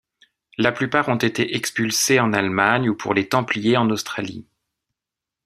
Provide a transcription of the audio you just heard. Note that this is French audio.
La plupart ont été expulsés en Allemagne ou pour les Templiers en Australie.